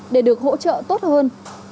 để được hỗ trợ tốt hơn